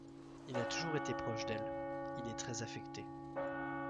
Il a toujours été proche d'elle, il est très affecté.